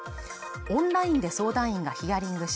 オンラインで相談員がヒアリングし